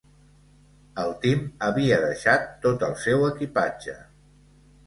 El Tim havia deixat tot el seu equipatge.